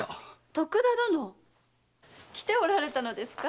・徳田殿！来ておられたのですか？